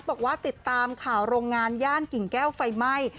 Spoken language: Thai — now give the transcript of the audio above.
บอกว่าติดตามข่าวโรงงานย่านกิ่งแก้วไฟไหม้